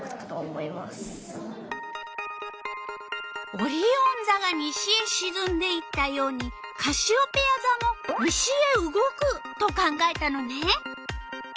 オリオンざが西へしずんでいったようにカシオペヤざも西へ動くと考えたのね。